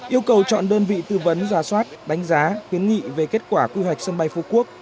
yêu cầu chọn đơn vị tư vấn giả soát đánh giá khuyến nghị về kết quả quy hoạch sân bay phú quốc